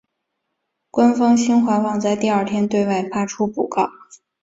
官方新华网在第二天对外发出讣告。